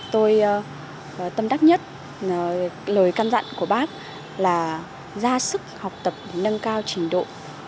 tôi tâm đắc nhất lời căm dặn của bác là ra sức học tập nâng cao trình độ